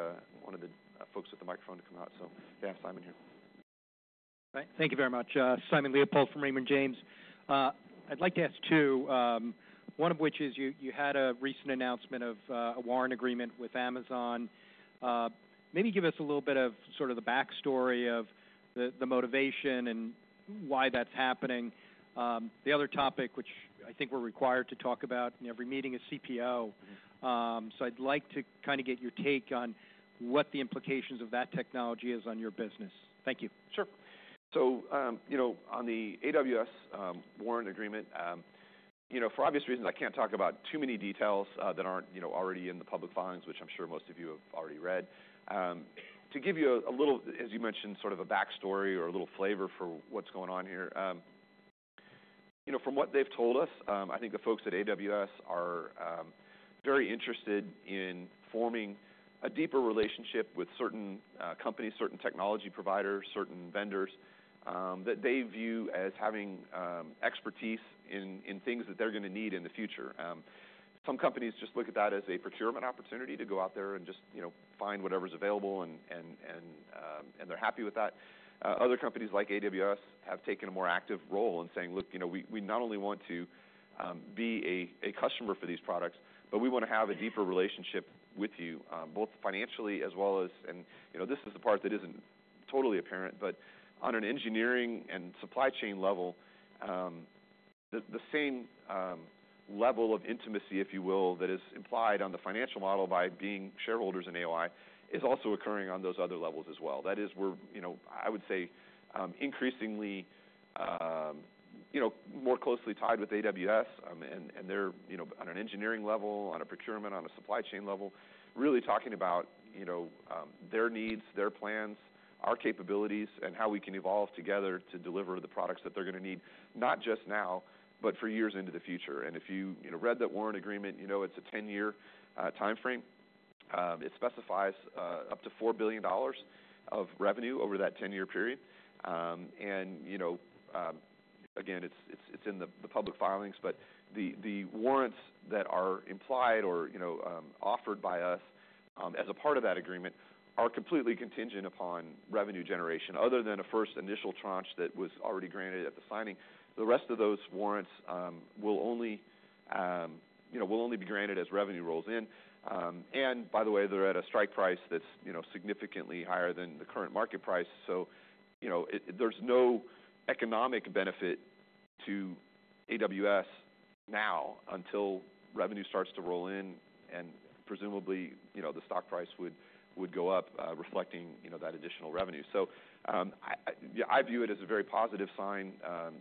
folks with the microphone to come out. Yeah, Simon here. All right. Thank you very much. Simon Leopold from Raymond James. I'd like to ask two, one of which is you had a recent announcement of a warrant agreement with Amazon. Maybe give us a little bit of sort of the backstory of the motivation and why that's happening. The other topic, which I think we're required to talk about in every meeting, is CPO. I'd like to kind of get your take on what the implications of that technology is on your business. Thank you. Sure. You know, on the AWS warrant agreement, you know, for obvious reasons, I can't talk about too many details that aren't, you know, already in the public filings, which I'm sure most of you have already read. To give you a little, as you mentioned, sort of a backstory or a little flavor for what's going on here, you know, from what they've told us. I think the folks at AWS are very interested in forming a deeper relationship with certain companies, certain technology providers, certain vendors that they view as having expertise in things that they're gonna need in the future. Some companies just look at that as a procurement opportunity to go out there and just, you know, find whatever's available and they're happy with that. Other companies like AWS have taken a more active role in saying, "Look, you know, we not only want to be a customer for these products, but we wanna have a deeper relationship with you, both financially as well as," and, you know, this is the part that isn't totally apparent, but on an engineering and supply chain level, the same level of intimacy, if you will, that is implied on the financial model by being shareholders in AOI is also occurring on those other levels as well. That is, we're, you know, I would say, increasingly, you know, more closely tied with AWS, and they're, you know, on an engineering level, on a procurement, on a supply chain level, really talking about, you know, their needs, their plans, our capabilities, and how we can evolve together to deliver the products that they're gonna need, not just now, but for years into the future. If you, you know, read that warrant agreement, you know, it's a 10-year timeframe. It specifies up to $4 billion of revenue over that 10-year period. You know, again, it's in the public filings. The warrants that are implied or, you know, offered by us as a part of that agreement are completely contingent upon revenue generation. Other than a first initial tranche that was already granted at the signing, the rest of those warrants will only, you know, will only be granted as revenue rolls in. By the way, they're at a strike price that's, you know, significantly higher than the current market price. You know, it, it, there's no economic benefit to AWS now until revenue starts to roll in and presumably, you know, the stock price would, would go up, reflecting, you know, that additional revenue. I, I, yeah, I view it as a very positive sign,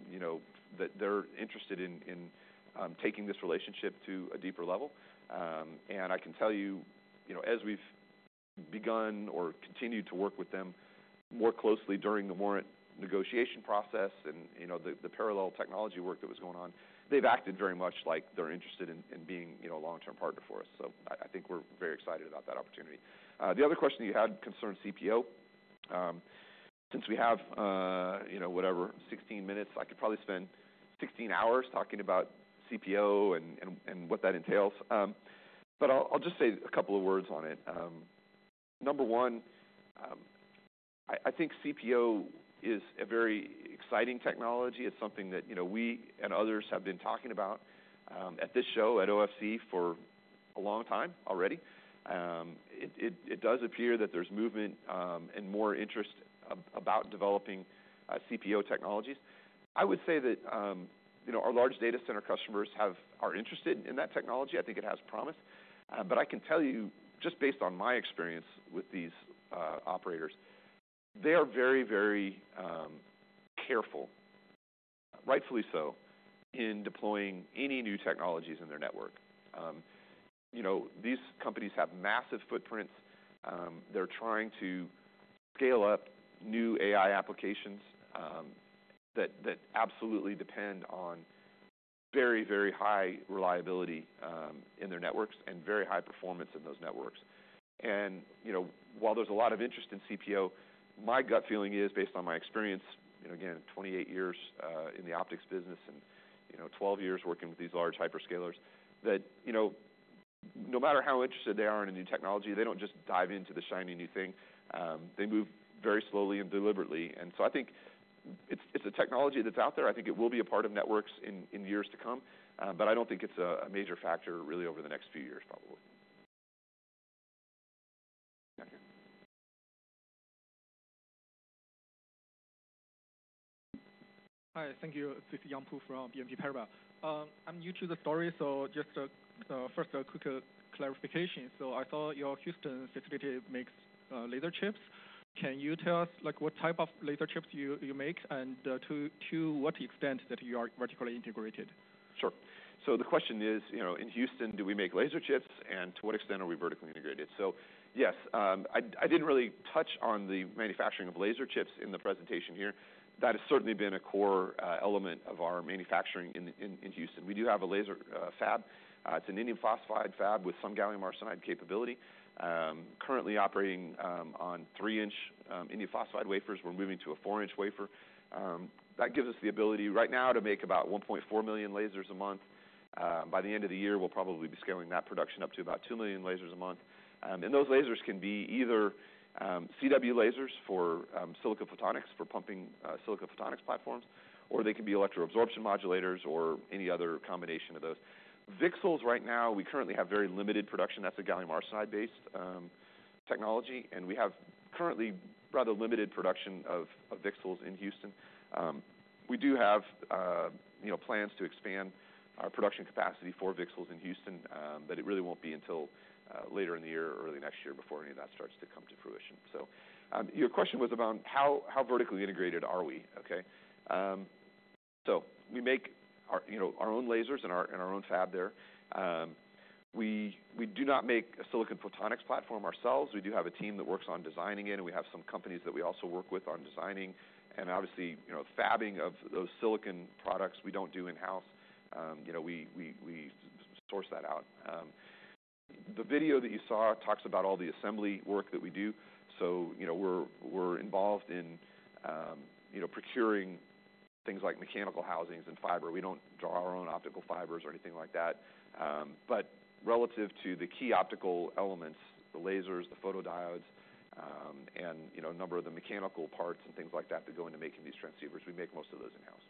you know, that they're interested in, in, taking this relationship to a deeper level. and I can tell you, you know, as we've begun or continued to work with them more closely during the warrant negotiation process and, you know, the parallel technology work that was going on, they've acted very much like they're interested in, in being, you know, a long-term partner for us. I think we're very excited about that opportunity. The other question you had concerns CPO. Since we have, you know, whatever, 16 minutes, I could probably spend 16 hours talking about CPO and what that entails. I'll just say a couple of words on it. Number one, I think CPO is a very exciting technology. It's something that, you know, we and others have been talking about, at this show at OFC for a long time already. It does appear that there's movement, and more interest about developing CPO technologies. I would say that, you know, our large data center customers are interested in that technology. I think it has promise. I can tell you, just based on my experience with these operators, they are very, very careful, rightfully so, in deploying any new technologies in their network. You know, these companies have massive footprints. They're trying to scale up new AI applications that absolutely depend on very, very high reliability in their networks and very high performance in those networks. You know, while there is a lot of interest in CPO, my gut feeling is, based on my experience, you know, again, 28 years in the optics business and, you know, 12 years working with these large hyperscalers, that, you know, no matter how interested they are in a new technology, they do not just dive into the shiny new thing. They move very slowly and deliberately. I think it is a technology that is out there. I think it will be a part of networks in years to come. I do not think it is a major factor really over the next few years probably. Thank you. Hi. Thank you, Chief Yongpo from BNP Paribas. I'm new to the story. Just, first a quick clarification. I saw your Houston facility makes laser chips. Can you tell us, like, what type of laser chips you make and to what extent that you are vertically integrated? Sure. The question is, you know, in Houston, do we make laser chips and to what extent are we vertically integrated? Yes, I didn't really touch on the manufacturing of laser chips in the presentation here. That has certainly been a core element of our manufacturing in Houston. We do have a laser fab. It's an indium phosphide fab with some gallium arsenide capability, currently operating on three-inch indium phosphide wafers. We're moving to a four-inch wafer. That gives us the ability right now to make about 1.4 million lasers a month. By the end of the year, we'll probably be scaling that production up to about 2 million lasers a month. Those lasers can be either CW lasers for silicon photonics for pumping silicon photonics platforms, or they can be electroabsorption modulators or any other combination of those. VCSELs right now, we currently have very limited production. That's a gallium arsenide-based technology. And we have currently rather limited production of, you know, VCSELs in Houston. We do have, you know, plans to expand our production capacity for VCSELs in Houston, but it really won't be until later in the year or early next year before any of that starts to come to fruition. Your question was about how vertically integrated are we, okay? We make our, you know, our own lasers and our own fab there. We do not make a silicon photonics platform ourselves. We do have a team that works on designing it. And we have some companies that we also work with on designing. Obviously, you know, fabbing of those silicon products, we don't do in-house. You know, we source that out. The video that you saw talks about all the assembly work that we do. You know, we're involved in, you know, procuring things like mechanical housings and fiber. We don't draw our own optical fibers or anything like that. Relative to the key optical elements, the lasers, the photodiodes, and, you know, a number of the mechanical parts and things like that that go into making these transceivers, we make most of those in-house.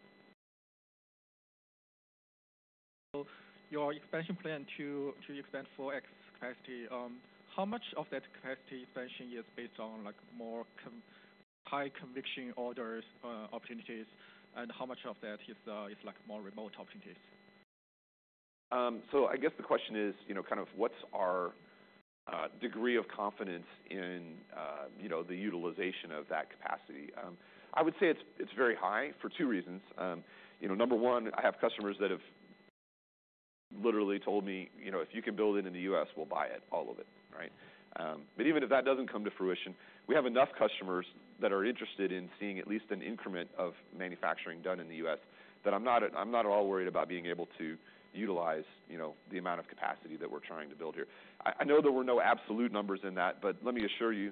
Your expansion plan to expand 4X capacity, how much of that capacity expansion is based on, like, more com high conviction orders, opportunities, and how much of that is, is, like, more remote opportunities? I guess the question is, you know, kind of what's our degree of confidence in, you know, the utilization of that capacity? I would say it's very high for two reasons. You know, number one, I have customers that have literally told me, you know, "If you can build it in the U.S., we'll buy it, all of it," right? Even if that does not come to fruition, we have enough customers that are interested in seeing at least an increment of manufacturing done in the U.S. that I'm not, I'm not at all worried about being able to utilize, you know, the amount of capacity that we're trying to build here. I know there were no absolute numbers in that, but let me assure you,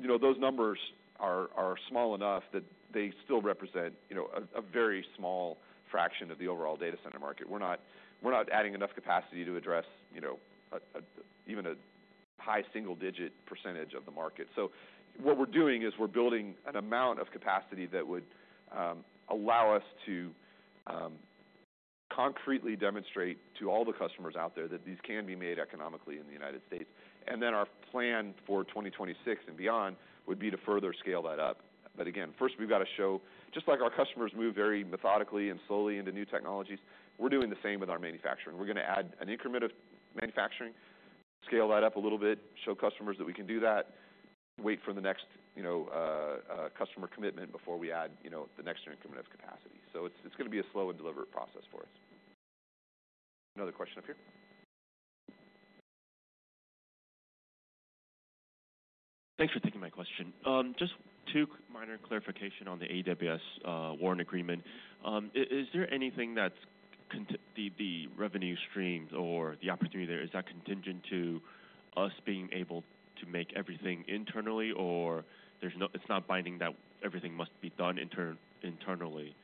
you know, those numbers are small enough that they still represent, you know, a very small fraction of the overall data center market. We're not adding enough capacity to address, you know, even a high single-digit % of the market. What we're doing is we're building an amount of capacity that would allow us to concretely demonstrate to all the customers out there that these can be made economically in the United States. Our plan for 2026 and beyond would be to further scale that up. Again, first we've got to show, just like our customers move very methodically and slowly into new technologies, we're doing the same with our manufacturing. We're gonna add an increment of manufacturing, scale that up a little bit, show customers that we can do that, wait for the next, you know, customer commitment before we add, you know, the next increment of capacity. It's gonna be a slow and deliberate process for us. Another question up here. Thanks for taking my question. Just two minor clarifications on the AWS warrant agreement. Is there anything that's contingent to the revenue streams or the opportunity there, is that contingent to us being able to make everything internally or there's no, it's not binding that everything must be done internally?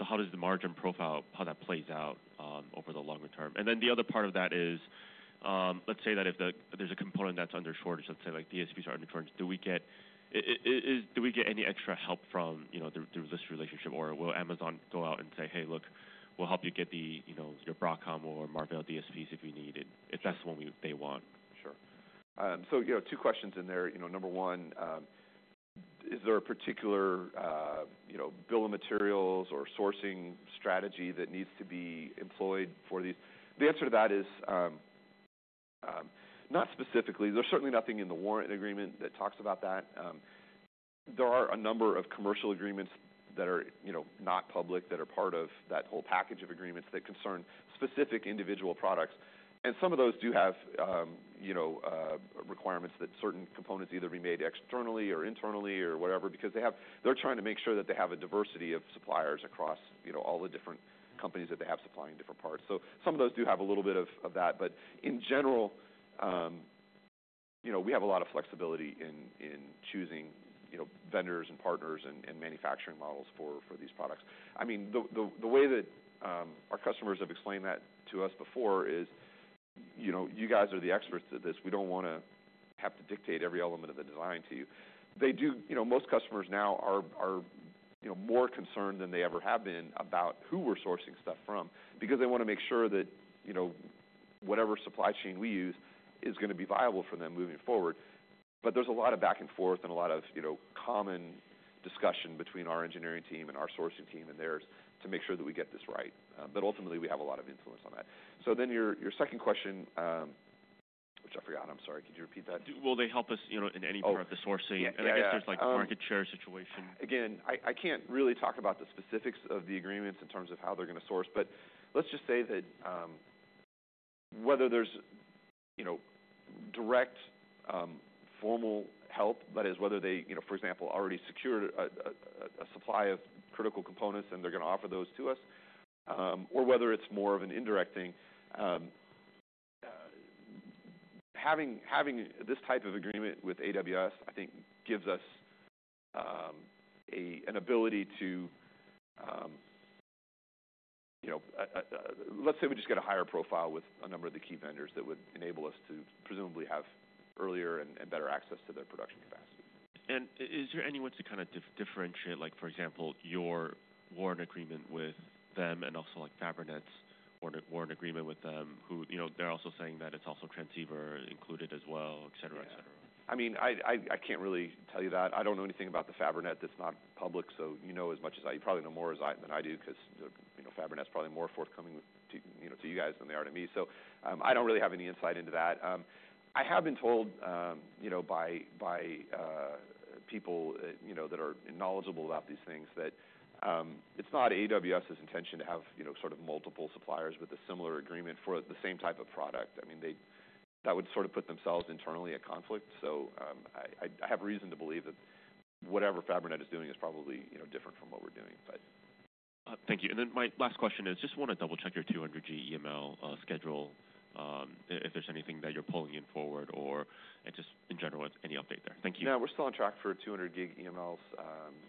How does the margin profile, how that plays out over the longer term? The other part of that is, let's say that if there's a component that's under shortage, let's say like DSPs are under shortage, do we get, do we get any extra help from, you know, the relationship or will Amazon go out and say, "Hey, look, we'll help you get the, you know, your Broadcom or Marvell DSPs if you need it," if that's the one they want? Sure. So, you know, two questions in there. You know, number one, is there a particular, you know, bill of materials or sourcing strategy that needs to be employed for these? The answer to that is, not specifically. There is certainly nothing in the warrant agreement that talks about that. There are a number of commercial agreements that are, you know, not public that are part of that whole package of agreements that concern specific individual products. And some of those do have, you know, requirements that certain components either be made externally or internally or whatever because they have, they are trying to make sure that they have a diversity of suppliers across, you know, all the different companies that they have supplying different parts. So some of those do have a little bit of, of that. In general, you know, we have a lot of flexibility in choosing, you know, vendors and partners and manufacturing models for these products. I mean, the way that our customers have explained that to us before is, you know, "You guys are the experts at this. We don't wanna have to dictate every element of the design to you." They do, you know, most customers now are, you know, more concerned than they ever have been about who we're sourcing stuff from because they wanna make sure that, you know, whatever supply chain we use is gonna be viable for them moving forward. There is a lot of back and forth and a lot of, you know, common discussion between our engineering team and our sourcing team and theirs to make sure that we get this right. Ultimately, we have a lot of influence on that. Your second question, which I forgot, I'm sorry. Could you repeat that? Do they help us, you know, in any part of the sourcing? I guess there's, like, a market share situation. Again, I can't really talk about the specifics of the agreements in terms of how they're gonna source. Let's just say that, whether there's, you know, direct, formal help, that is, whether they, for example, already secured a supply of critical components and they're gonna offer those to us, or whether it's more of an indirect thing. Having this type of agreement with AWS, I think, gives us an ability to, you know, let's say we just get a higher profile with a number of the key vendors that would enable us to presumably have earlier and better access to their production capacity. Is there any way to kind of differentiate, like, for example, your warrant agreement with them and also, like, Fabrinet's warrant agreement with them who, you know, they're also saying that it's also transceiver included as well, etc., etc.? Yeah. I mean, I can't really tell you that. I don't know anything about the Fabrinet that's not public. You know as much as I, you probably know more than I do 'cause, you know, Fabrinet's probably more forthcoming to you guys than they are to me. I don't really have any insight into that. I have been told, you know, by people, you know, that are knowledgeable about these things that it's not AWS's intention to have, you know, sort of multiple suppliers with a similar agreement for the same type of product. I mean, that would sort of put themselves internally at conflict. I have reason to believe that whatever Fabrinet is doing is probably, you know, different from what we're doing, but. Thank you. My last question is, just want to double-check your 200G EML schedule, if there's anything that you're pulling in forward or just in general any update there. Thank you. No, we're still on track for 200G EMLs,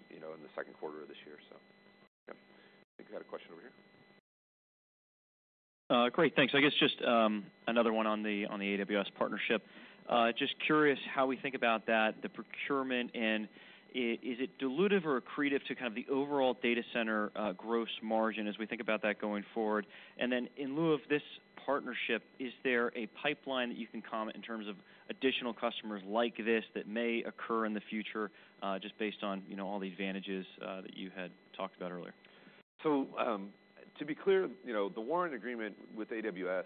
you know, in the second quarter of this year, so. Yep. Thank you. I think we had a question over here. Great. Thanks. I guess just, another one on the AWS partnership. Just curious how we think about that, the procurement, and is it dilutive or accretive to kind of the overall data center gross margin as we think about that going forward? In lieu of this partnership, is there a pipeline that you can comment in terms of additional customers like this that may occur in the future, just based on, you know, all the advantages that you had talked about earlier? To be clear, you know, the warrant agreement with AWS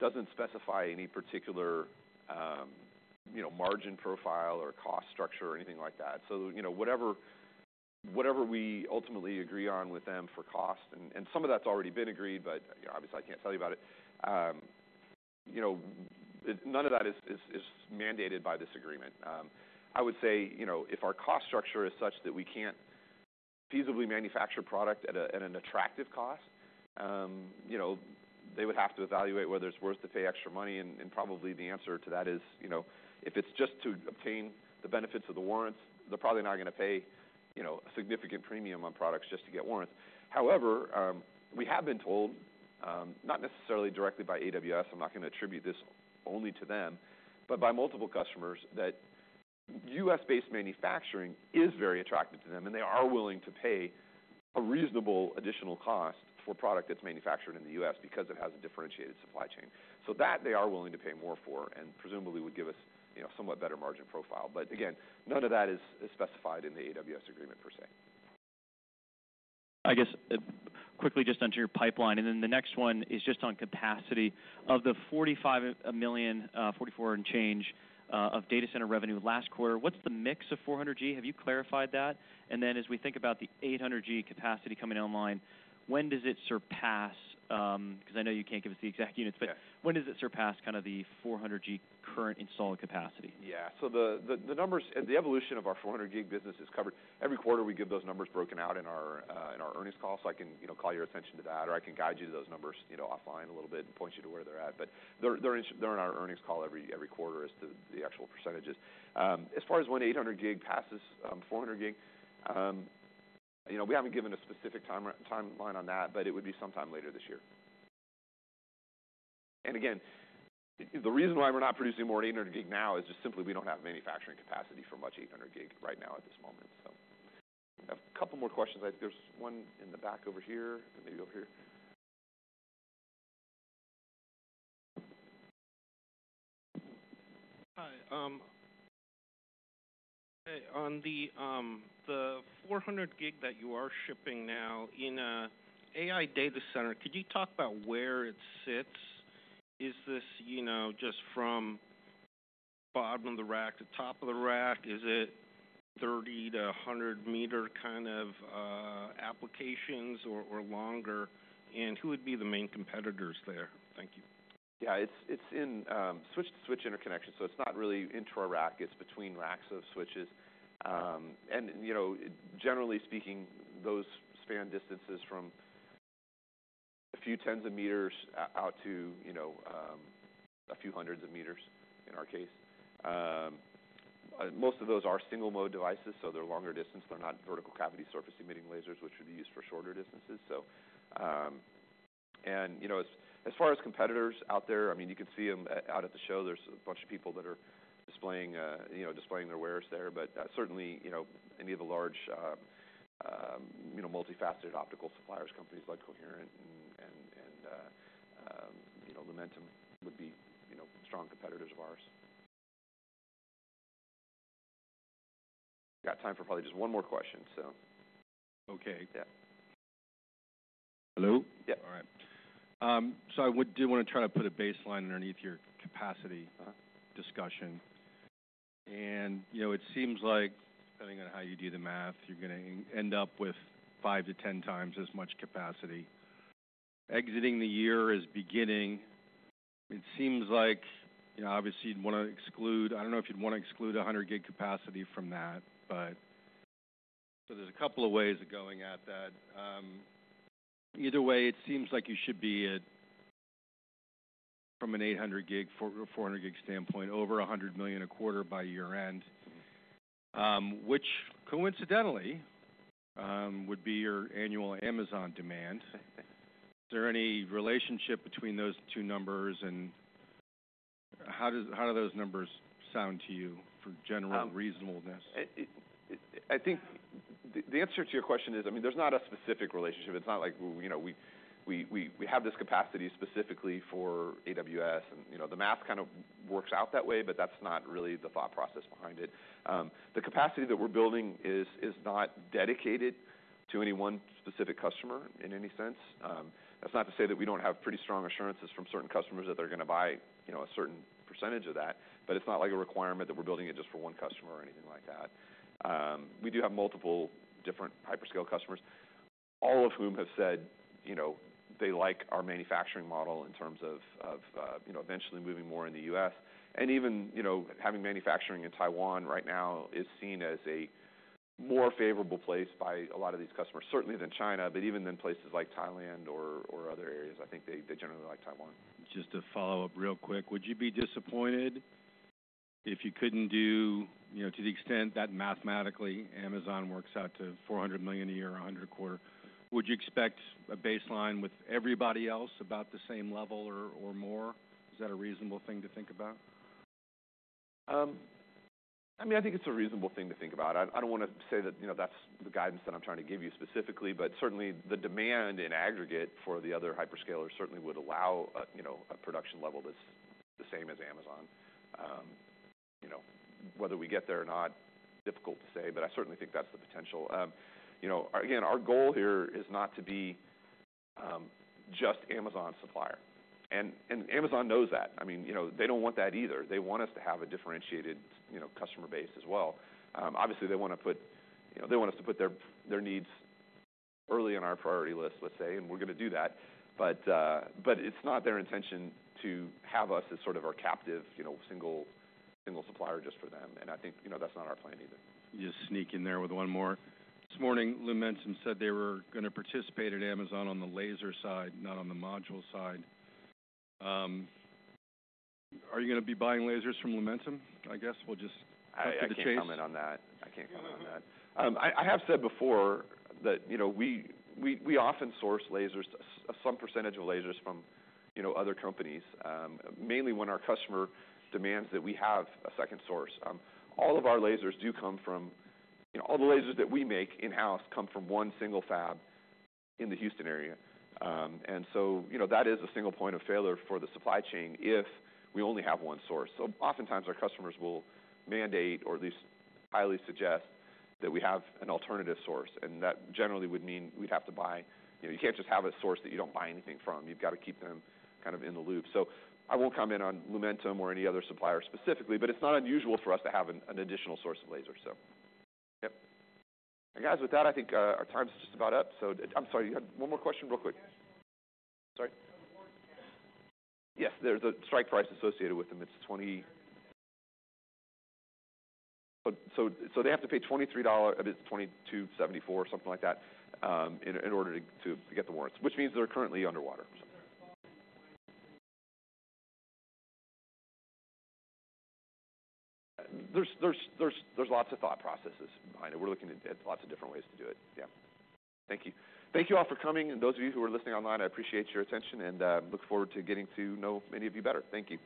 doesn't specify any particular, you know, margin profile or cost structure or anything like that. You know, whatever we ultimately agree on with them for cost, and some of that's already been agreed, but, you know, obviously, I can't tell you about it. You know, none of that is mandated by this agreement. I would say, you know, if our cost structure is such that we can't feasibly manufacture product at an attractive cost, you know, they would have to evaluate whether it's worth to pay extra money. And probably the answer to that is, you know, if it's just to obtain the benefits of the warrants, they're probably not gonna pay, you know, a significant premium on products just to get warrants. However, we have been told, not necessarily directly by Amazon, I'm not gonna attribute this only to them, but by multiple customers, that US-based manufacturing is very attractive to them and they are willing to pay a reasonable additional cost for product that's manufactured in the US because it has a differentiated supply chain. They are willing to pay more for and presumably would give us, you know, a somewhat better margin profile. Again, none of that is specified in the Amazon agreement per se. I guess, quickly just enter your pipeline. The next one is just on capacity. Of the $45 million, $44 and change, of data center revenue last quarter, what's the mix of 400G? Have you clarified that? As we think about the 800G capacity coming online, when does it surpass, 'cause I know you can't give us the exact units, but when does it surpass kind of the 400G current installed capacity? Yeah. The numbers and the evolution of our 400G business is covered. Every quarter, we give those numbers broken out in our earnings call. I can, you know, call your attention to that or I can guide you to those numbers, you know, offline a little bit and point you to where they're at. They're in our earnings call every quarter as to the actual percentages. As far as when 800G passes 400G, you know, we haven't given a specific timeline on that, but it would be sometime later this year. Again, the reason why we're not producing more 800G now is just simply we don't have manufacturing capacity for much 800G right now at this moment. A couple more questions. There's one in the back over here, maybe over here. Hi. Hey, on the, the 400G that you are shipping now in a AI data center, could you talk about where it sits? Is this, you know, just from bottom of the rack to top of the rack? Is it 30-100 meter kind of, applications or, or longer? And who would be the main competitors there? Thank you. Yeah. It's in switch-to-switch interconnection. It's not really into a rack. It's between racks of switches. You know, generally speaking, those span distances from a few tens of meters out to a few hundreds of meters in our case. Most of those are single-mode devices, so they're longer distance. They're not vertical cavity surface emitting lasers, which would be used for shorter distances. As far as competitors out there, I mean, you can see them out at the show. There's a bunch of people that are displaying their wares there. Certainly, you know, any of the large, multifaceted optical suppliers, companies like Coherent and Lumentum would be strong competitors of ours. We got time for probably just one more question. Okay. Hello? Yeah. All right. I do wanna try to put a baseline underneath your capacity. Uh-huh. Discussion. You know, it seems like, depending on how you do the math, you're gonna end up with 5-10 times as much capacity. Exiting the year is beginning. It seems like, you know, obviously, you'd wanna exclude, I don't know if you'd wanna exclude 100G capacity from that, but there are a couple of ways of going at that. Either way, it seems like you should be at, from an 800G, 400G standpoint, over $100 million a quarter by year-end, which coincidentally would be your annual Amazon demand. Is there any relationship between those two numbers? How do those numbers sound to you for general reasonableness? I think the answer to your question is, I mean, there's not a specific relationship. It's not like, you know, we have this capacity specifically for AWS and, you know, the math kind of works out that way, but that's not really the thought process behind it. The capacity that we're building is not dedicated to any one specific customer in any sense. That's not to say that we don't have pretty strong assurances from certain customers that they're gonna buy, you know, a certain percentage of that. But it's not like a requirement that we're building it just for one customer or anything like that. We do have multiple different hyperscale customers, all of whom have said, you know, they like our manufacturing model in terms of, you know, eventually moving more in the U.S. Even, you know, having manufacturing in Taiwan right now is seen as a more favorable place by a lot of these customers, certainly than China. Even then, places like Thailand or other areas, I think they generally like Taiwan. Just to follow up real quick, would you be disappointed if you couldn't do, you know, to the extent that mathematically Amazon works out to $400 million a year or $100 million a quarter? Would you expect a baseline with everybody else about the same level or, or more? Is that a reasonable thing to think about? I mean, I think it's a reasonable thing to think about. I don't wanna say that, you know, that's the guidance that I'm trying to give you specifically, but certainly, the demand in aggregate for the other hyperscalers certainly would allow a, you know, a production level that's the same as Amazon. You know, whether we get there or not, difficult to say, but I certainly think that's the potential. You know, again, our goal here is not to be just Amazon supplier. And Amazon knows that. I mean, you know, they don't want that either. They want us to have a differentiated, you know, customer base as well. Obviously, they wanna put, you know, they want us to put their needs early on our priority list, let's say, and we're gonna do that. It is not their intention to have us as sort of our captive, you know, single, single supplier just for them. I think, you know, that's not our plan either. Just sneak in there with one more. This morning, Lumentum said they were gonna participate at Amazon on the laser side, not on the module side. Are you gonna be buying lasers from Lumentum, I guess, or just for the chase? I can't comment on that. I can't comment on that. I have said before that, you know, we often source lasers, some percentage of lasers from, you know, other companies, mainly when our customer demands that we have a second source. All of our lasers that we make in-house come from one single fab in the Houston area. You know, that is a single point of failure for the supply chain if we only have one source. Oftentimes, our customers will mandate or at least highly suggest that we have an alternative source. That generally would mean we'd have to buy, you know, you can't just have a source that you don't buy anything from. You've gotta keep them kind of in the loop. I will not comment on Lumentum or any other supplier specifically, but it is not unusual for us to have an additional source of laser. Yep. I think our time is just about up. I am sorry. You had one more question real quick? Sorry. Yes. There is a strike price associated with them. It is 20, so they have to pay $23, it is $22.74, something like that, in order to get the warrants, which means they are currently underwater. There are lots of thought processes behind it. We are looking at lots of different ways to do it. Thank you. Thank you all for coming. And those of you who are listening online, I appreciate your attention and look forward to getting to know many of you better. Thank you.